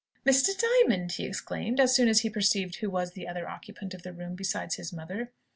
"Mr. Diamond!" he exclaimed, as soon as he perceived who was the other occupant of the room besides his mother.